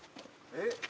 えっ。